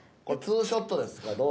これツーショットですか？